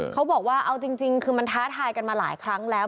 เขาบอกว่าเอาจริงคือมันท้าทายกันมาหลายครั้งแล้ว